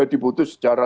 eh dibutuhkan secara